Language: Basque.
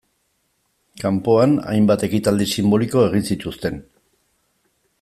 Kanpoan, hainbat ekitaldi sinboliko egin zituzten.